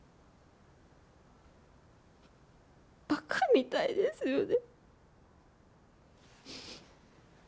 馬鹿みたいですよね。